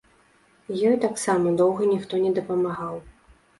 Ёй таксама доўга ніхто не дапамагаў.